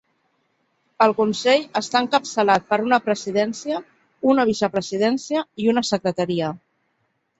El Consell està encapçalat per una presidència, una vicepresidència i una secretaria.